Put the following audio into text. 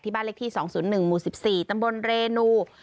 บ้านเลขที่๒๐๑หมู่๑๔ตำบลเรนู